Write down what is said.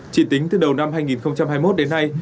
chỉ tính từ đầu năm hai nghìn hai mươi một đến nay